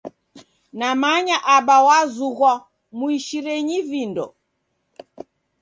Namanya Aba wazughwa muishirenyi vindo.